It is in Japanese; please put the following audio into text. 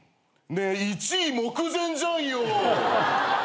ねえ１位目前じゃんよ。